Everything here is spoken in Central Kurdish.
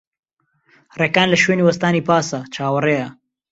ڕێکان لە شوێنی وەستانی پاسە، چاوەڕێیە.